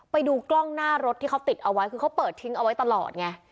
ไปดูกล้องหน้ารถที่เขาติดเอาไว้คือเขาเปิดทิ้งเอาไว้ตลอดไง